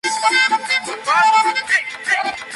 Habita en derredor de las Salinas Grandes.